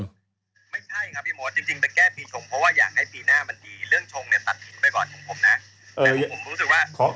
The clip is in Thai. คุณผมนะ